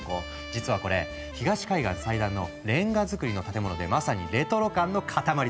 実はこれ東海岸最大のレンガ造りの建物でまさにレトロ感の塊だった。